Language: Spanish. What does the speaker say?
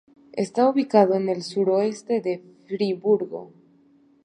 Está ubicado en el suroeste de Friburgo.